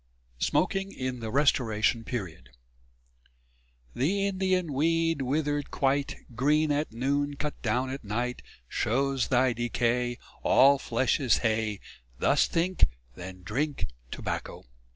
V SMOKING IN THE RESTORATION PERIOD The Indian weed withered quite Green at noon, cut down at night, Shows thy decay All flesh is hay: Thus think, then drink tobacco.